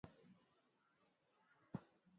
mimi naanza na the australian la australia